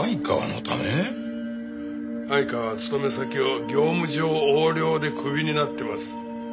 相川は勤め先を業務上横領でクビになってます。